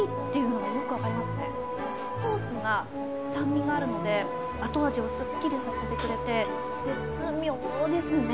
ソースが酸味があるので後味をすっきりさせてくれて絶妙ですね。